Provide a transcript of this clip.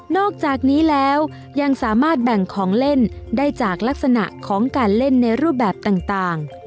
อกจากนี้แล้วยังสามารถแบ่งของเล่นได้จากลักษณะของการเล่นในรูปแบบต่าง